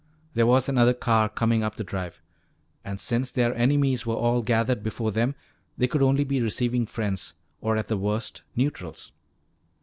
There was another car coming up the drive. And since their enemies were all gathered before them, they could only be receiving friends, or at the worst neutrals.